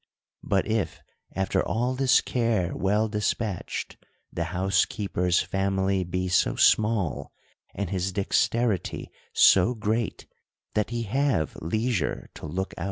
But if, after all this care well despatched, the house keeper's family be so small, and his dexterity so great, that he have leisure to look THE COUNTRY PARSON.